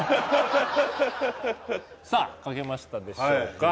さあ書けましたでしょうか？